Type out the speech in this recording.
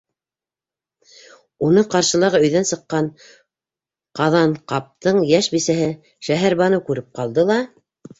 Уны ҡаршылағы өйҙән сыҡҡан Ҡаҙанҡаптың йәш бисәһе Шәһәрбаныу күреп ҡалды ла: